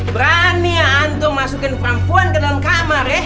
berani ya anto masukin perempuan ke dalam kamar ya